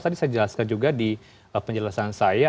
tadi saya jelaskan juga di penjelasan saya